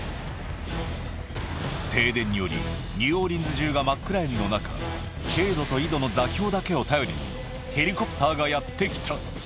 停電によりニューオーリンズ中が真っ暗闇の中、経度と緯度の座標だけを頼りに、ヘリコプターがやって来た。